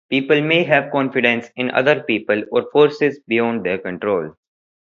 People may have confidence in other people or forces beyond their control.